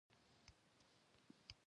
ما هلته واده وکړ او خوشحاله وم.